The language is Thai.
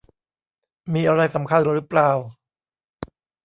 มีอะไรสำคัญหรือเปล่า